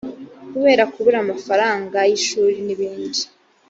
kubera kubura amafaranga y ishuri n ibindi